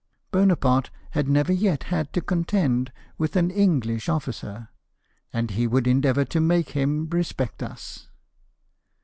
Bonaparte had never yet had to contend with an English officer, and he would endeavour to make him respect us."